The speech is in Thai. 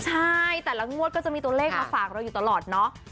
ใช่แต่ละงวดก็จะมีตัวเลขมาฝากเราอยู่ตลอดเนาะ